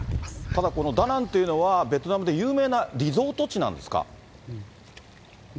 ただこのダナンという場所は、ベトナムで有名なリゾート地なんですか？